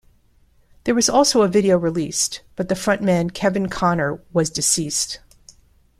There was also a video released, but the frontman Keven Conner was deceased.